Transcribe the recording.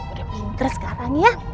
udah pinter sekarang ya